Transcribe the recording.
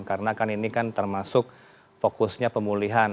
karena kan ini kan termasuk fokusnya pemulihan